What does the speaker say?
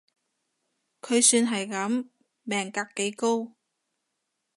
佢算係噉，命格幾高